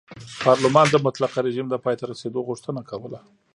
پارلمان د مطلقه رژیم د پای ته رسېدو غوښتنه کوله.